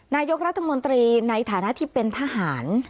นายกรัฐมนตรีในฐานะที่เป็นทหาร